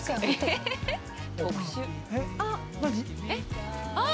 えっ？